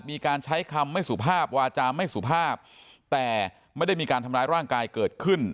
มีการใช้คำไม่สุภาพวาจาไม่สุภาพแต่ไม่ได้มีการทำร้ายร่างกายเกิดขึ้น